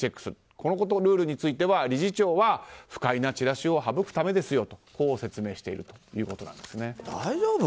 このルールについては理事長は不快なチラシを省くためですよと説明しているということなんです。